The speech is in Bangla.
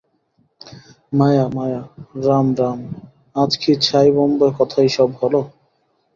মায়া-মায়া!! রাম রাম! আজ কি ছাইভস্ম কথাই সব হল।